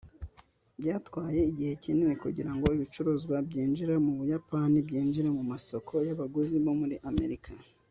Byatwaye igihe kinini kugirango ibicuruzwa byinjira mu Buyapani byinjire mu masoko yabaguzi bo muri Amerika